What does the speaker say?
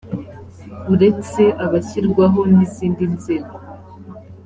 uretse abashyirwaho n izindi nzego